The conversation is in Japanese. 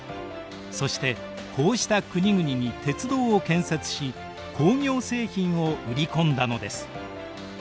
そしてこうした国々に鉄道を建設し工業製品を売り込んだのです。